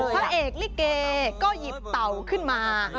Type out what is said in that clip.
พระเอกลิเกก็หยิบเต่าขึ้นมา